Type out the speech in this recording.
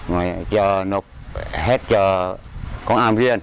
rồi cho nộp hết cho con ăn riêng